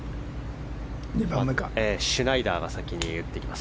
シュナイダーが先に打ってきます。